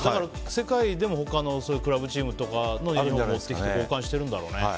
世界でも他のクラブチームと交換しているんだろうね。